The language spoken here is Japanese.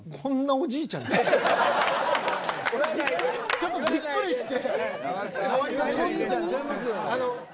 ちょっとびっくりして。